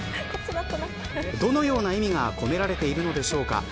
どのような意味が込められているのでしょうか。